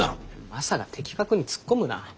マサが的確につっこむな！